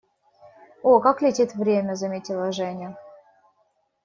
«О, как летит время!», - заметила Женя.